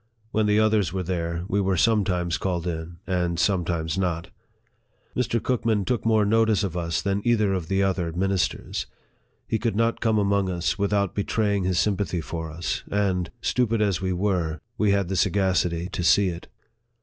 When the others were there, we were sometimes called in and some times not. Mr. Cookman took more notice of us than either of the other ministers. He could not come among us without betraying his sympathy for us, and, stupid as we were, we had the sagacity to see it.